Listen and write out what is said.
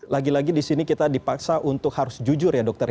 lagi lagi di sini kita dipaksa untuk harus jujur ya dokter ya